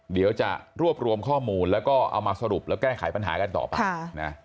เดี๋ยวจะรวบรวมข้อมูลแล้วก็เอามาสรุปแล้วแก้ไขปัญหากันต่อไปนะ